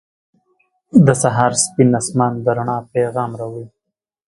• د سهار سپین آسمان د رڼا پیغام راوړي.